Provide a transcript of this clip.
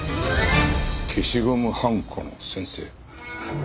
消しゴムはんこの先生。